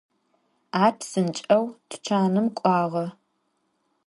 Ar psınç'eu tuçanım k'uağe.